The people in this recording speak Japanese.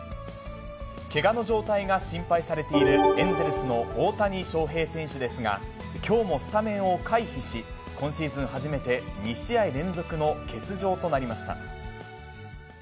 けがの状態が心配されているエンゼルスの大谷翔平選手ですが、きょうもスタメンを回避し、今シーズン初めて２試合連続の欠場となりました。